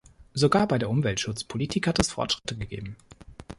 Sogar bei der Umweltschutzpolitik hat es Fortschritte gegeben.